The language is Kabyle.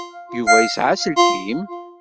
Yuba yesɛa aselkim?